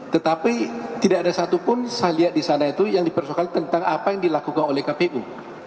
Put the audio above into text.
tetapi tidak ada satupun saya lihat di sana itu yang dipersoalkan tentang apa yang dilakukan oleh kpu